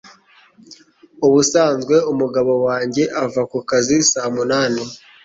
Ubusanzwe umugabo wanjye ava ku kazi saa munani.